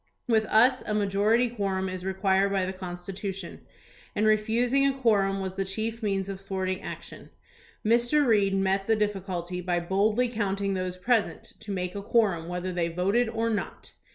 With us a majority quorum is required by the Constitution, and refusing a quorum was the chief means of thwarting action. Mr. Reed met the difficulty by boldly counting those present to make a quorum whether they voted or not.